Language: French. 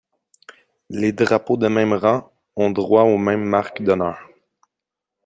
Les drapeaux de même rang ont droit aux mêmes marques d'honneur.